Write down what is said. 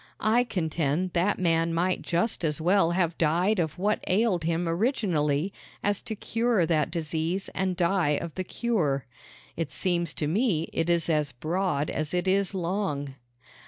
I contend that man might just as well have died of what ailed him originally as to cure that disease and die of the cure. It seems to me it is as broad as it is long.